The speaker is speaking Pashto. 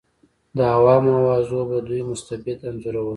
د عوامو اوازو به دوی مستبد انځورول.